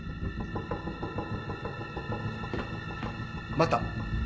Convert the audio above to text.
待った。